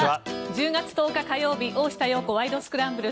１０月１０日、火曜日「大下容子ワイド！スクランブル」。